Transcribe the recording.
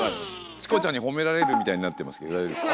「チコちゃんに褒められる」みたいになってますけど大丈夫ですか？